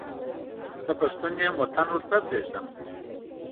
زه پښتون یم وطن ورته پرېږدم.